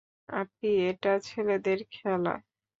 আপ্পি এটা ছেলেদের খেলা।